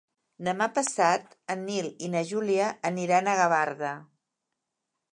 Demà passat en Nil i na Júlia aniran a Gavarda.